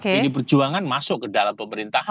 pdi perjuangan masuk ke dalam pemerintahan